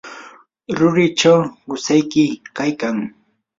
rurichaw qusayki kaykan.